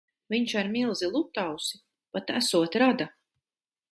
Viņš ar milzi Lutausi pat esot rada.